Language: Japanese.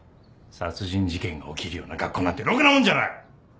殺人事件が起きるような学校なんてろくなもんじゃない！